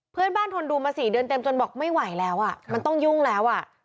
เพื่อนบ้านทนดูมาสี่เดือนเต็มจนบอกไม่ไหวแล้วมันต้องยุ่งแล้ว